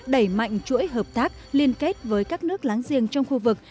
đẩy mạnh chuỗi hợp tác liên kết với các nước láng giềng trong khu vực